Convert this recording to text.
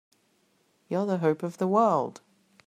You're the hope of the world!